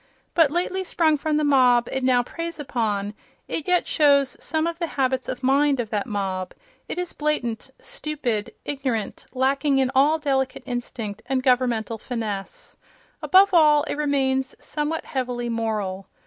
But lately sprung from the mob it now preys upon, it yet shows some of the habits of mind of that mob: it is blatant, stupid, ignorant, lacking in all delicate instinct and governmental finesse. Above all, it remains somewhat heavily moral.